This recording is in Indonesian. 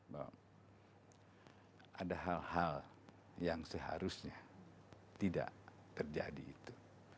bahwa ada hal hal yang seharusnya tidak terjadi itu